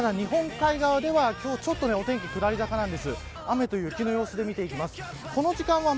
ただ、日本海側では今日ちょっとお天気下り坂なんです。